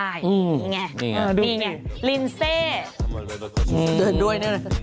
นี่ไงนี่ไงลินเซสเติร์นด้วยสเติร์นด้วย